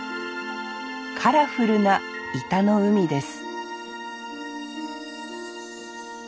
カラフルな井田の海です